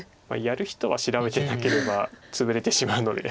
やる人は調べてなければツブれてしまうので。